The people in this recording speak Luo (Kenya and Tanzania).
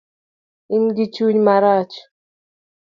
Ingi chuny marach